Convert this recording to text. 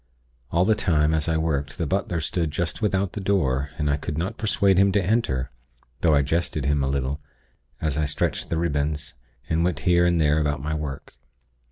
All the time, as I worked, the butler stood just without the door, and I could not persuade him to enter; though I jested him a little, as I stretched the ribbons, and went here and there about my work.